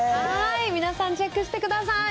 皆さん、チェックしてください。